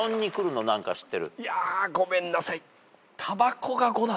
いやごめんなさい。